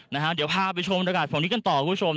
นะฮะเดี๋ยวพาไปชมระกัดฝั่งนี้กันต่อคุณผู้ชม